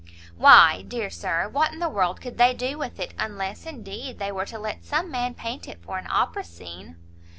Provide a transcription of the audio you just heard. "Why, dear Sir, what in the world could they do with it? unless, indeed, they were to let some man paint it for an opera scene."